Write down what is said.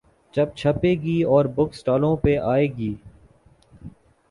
جب چھپے گی اور بک سٹالوں پہ آئے گی۔